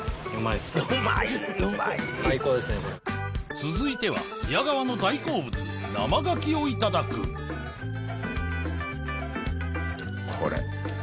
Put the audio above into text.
続いては宮川の大好物生ガキをいただくこれこれです。